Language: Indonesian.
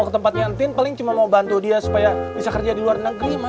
waktu tempatnya antin paling cuma mau bantu dia supaya bisa kerja di luar negeri